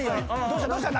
どうした？